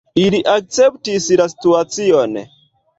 Ili akceptis la situacion.